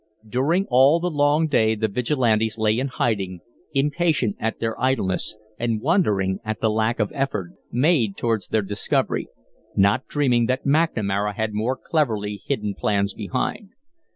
During all the long day the Vigilantes lay in hiding, impatient at their idleness and wondering at the lack of effort made towards their discovery, not dreaming that McNamara had more cleverly hidden plans behind.